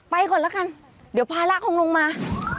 ไปก่อนแล้วกันเดี๋ยวภาระลงมา